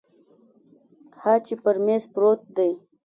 ها چې پر میز پروت دی